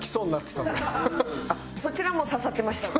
そちらも刺さってましたか？